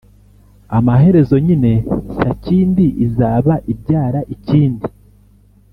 amaherezo nyine sakindi izaba ibyara ikindi"